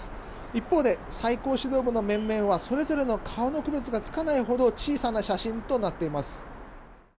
一方で、最高指導部の面々はそれぞれの顔の区別がつかないほど小さな写真となっています。